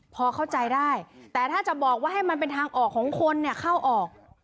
พอเข้าใจได้แต่ถ้าจะบอกว่าให้มันเป็นทางออกของคนเนี่ยเข้าออก